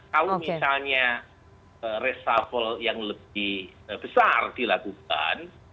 kalau misalnya reshuffle yang lebih besar dilakukan